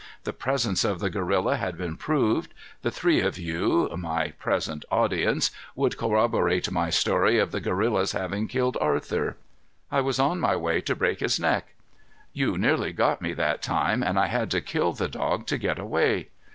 The presence of the gorilla had been proved. The three of you, my present audience, would corroborate my story of the gorilla's having killed Arthur. I was on my way to break his neck. You nearly got me that time, and I had to kill the dog to get away.